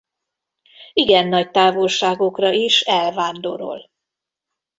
Igen nagy távolságokra is elvándorol.